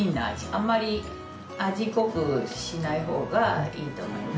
あんまり味濃くしないほうがいいと思います